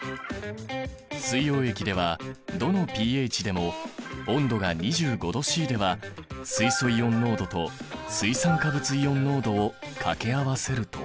水溶液ではどのｐＨでも温度が２５℃では水素イオン濃度と水酸化物イオン濃度を掛け合わせると